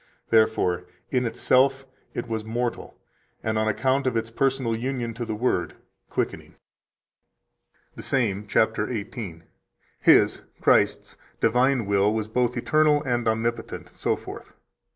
Therefore in itself it was mortal, and on account of its personal union to the Word, quickening." 138 The same (cap. 18): "His [Christ's] divine will was both eternal and omnipotent, etc.